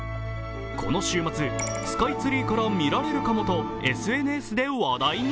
この週末、スカイツリーから見られるかもとＳＮＳで話題に。